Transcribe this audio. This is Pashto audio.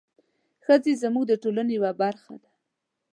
ښځې زموږ د ټولنې یوه برخه ده.